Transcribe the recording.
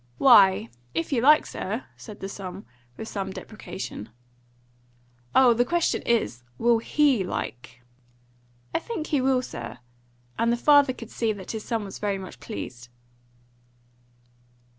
"Why, if you like, sir," said the son, with some deprecation. "Oh, the question is, will HE like?" "I think he will, sir;" and the father could see that his son was very much pleased.